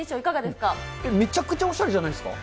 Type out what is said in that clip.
めちゃくちゃおしゃれじゃないですか。